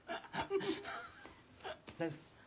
大丈夫？